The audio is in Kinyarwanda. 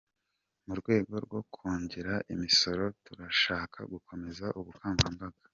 Mu rwego rwo kongera imisoro, turashaka gukomeza ubukangurambaga.